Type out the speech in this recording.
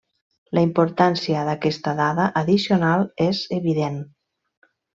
La importància d'aquesta dada addicional és evident.